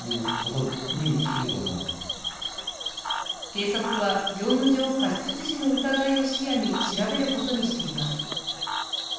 警察は業務上過失致死の疑いを視野に調べることにしています。